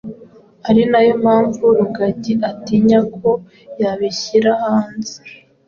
ari nayo mpamvu rugagi atinya ko yabishyira hanze